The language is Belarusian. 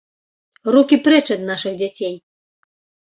Рукі прэч ад нашых дзяцей!